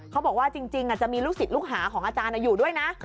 เขาบอกว่าจริงจะมีลูกศิษย์ลูกหาของอาจารย์อยู่ด้วยนะ